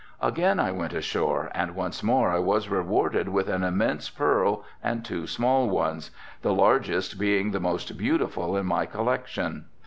Again I went ashore and once more I was rewarded with one immense pearl and two small ones, the largest being the most beautiful in my collection.